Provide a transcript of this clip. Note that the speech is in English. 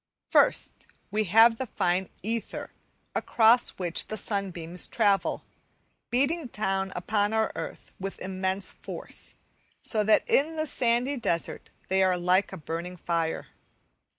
First, we have the fine ether across which the sunbeams travel, beating down upon our earth with immense force, so that in the sandy desert they are like a burning fire.